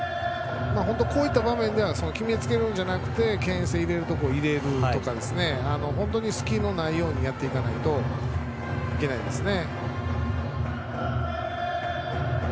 こういった場面では決めつけるのではなくてけん制を入れるところを入れる隙のないようにやっていかないといけないですね。